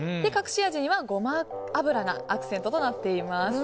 隠し味にはゴマ油がアクセントとなっています。